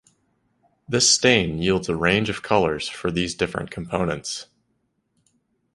This stain yields a range of colors for these different components.